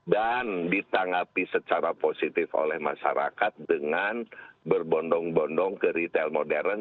dan ditanggapi secara positif oleh masyarakat dengan berbondong bondong ke retail modern